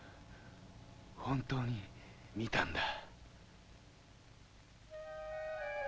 本当に見たんだ。